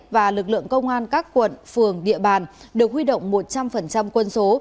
và lực lượng công an các quận phường địa bàn được huy động một trăm linh quân số